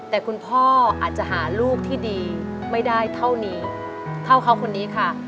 แต่คุณพ่ออาจจะหาลูกที่ดีไม่ได้เท่านี้เท่าเขาคนนี้ค่ะ